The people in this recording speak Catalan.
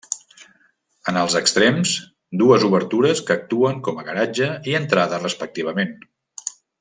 En els extrems, dues obertures que actuen com a garatge i entrada respectivament.